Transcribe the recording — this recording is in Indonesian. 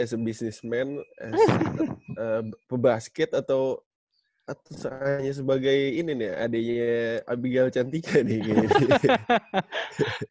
as a businessman as pebasket atau sepertinya sebagai ini nih adenya abigail cantika nih kayaknya